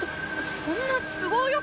そんな都合よく。